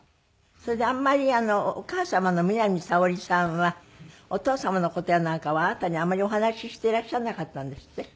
それであんまりお母様の南沙織さんはお父様の事やなんかはあなたにあまりお話ししてらっしゃらなかったんですって？